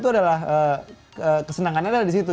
itu adalah kesenangannya adalah disitu